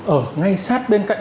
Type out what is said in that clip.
ở ngay sát bên cạnh